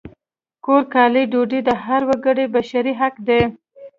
کور، کالي، ډوډۍ د هر وګړي بشري حق دی!